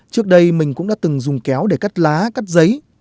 trước đây mình cũng đã từng dùng kéo để cắt lá cắt giấy